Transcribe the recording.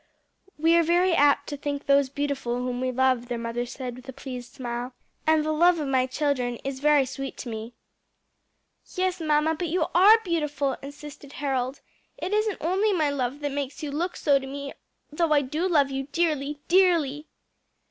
"We are very apt to think those beautiful whom we love," their mother said with a pleased smile, "and the love of my children is very sweet to me." "Yes, mamma, but you are beautiful," insisted Harold; "it isn't only my love that makes you look so to me, though I do love you dearly dearly."